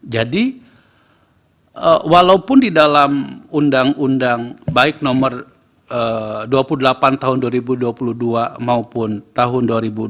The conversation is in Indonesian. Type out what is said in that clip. jadi walaupun di dalam undang undang baik nomor dua puluh delapan tahun dua ribu dua puluh dua maupun tahun dua ribu dua puluh tiga